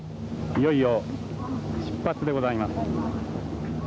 「いよいよ出発でございます」。